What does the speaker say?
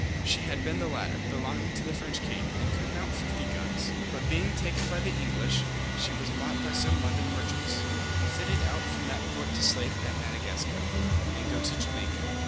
She had been the latter, belonging to the French king, and could mount 50 guns; but being taken by the English, she was bought by some London merchants, and fitted out from that port to slave at Madagascar, and go to Jamaica.